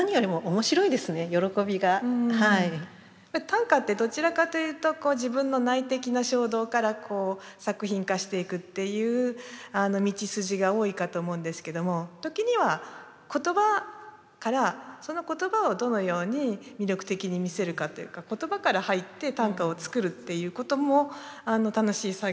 短歌ってどちらかというと自分の内的な衝動からこう作品化していくっていう道筋が多いかと思うんですけども時には言葉からその言葉をどのように魅力的に見せるかというか言葉から入って短歌を作るっていうことも楽しい作業ですよね。